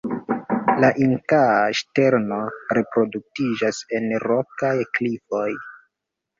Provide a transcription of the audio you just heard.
La Inkaa ŝterno reproduktiĝas en rokaj klifoj.